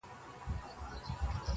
نه یې شرم وو له کلي نه له ښاره؛